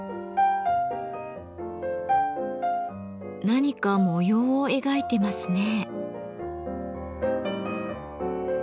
何か模様を描いてますね。